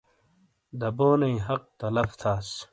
دبونئیی حق تلف تھاس۔